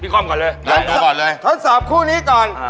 เขาสอบคู่นี้ก่อน